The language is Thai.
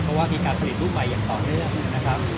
เพราะว่ามีการผลิตรูปใหม่อย่างต่อเนื่องนะครับ